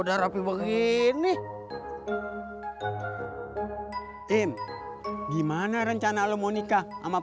dadah aku keadaan di istemilin lewatdragon barista